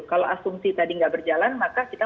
kalau asumsi tadi nggak berjalan maka kita